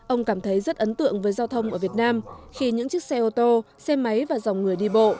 ông cảm thấy rất ấn tượng với giao thông ở việt nam khi những chiếc xe ô tô xe máy và dòng người đi bộ